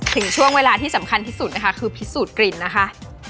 ถึงช่วงเวลาที่สำคัญที่สุดนะคะคือพิสูจน์กลิ่นนะคะ